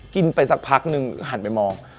กินไปสักพักนึงหันไปมอง